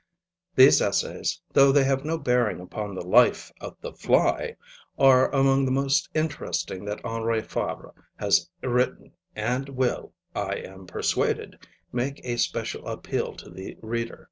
These essays, though they have no bearing upon the life of the fly, are among the most interesting that Henri Fabre has written and will, I am persuaded, make a special appeal to the reader.